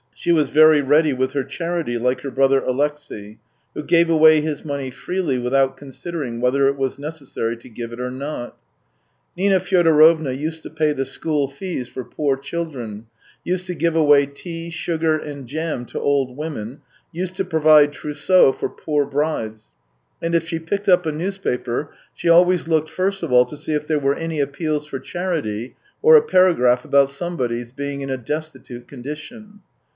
She was very ready with her charity, like her brother Alexey, who gave away his money freely, without considering whether it was necessary to give it or not. Nina Fyodorovna used to pay the school fees for poor children; used to give away tea, sugar, and jam to old women; used to provide trousseaux for poor brides; and if she picked up a newspaper, she always looked first of all to see if there were any appeals for charity or a paragraph about somebody's being in a destitute condition.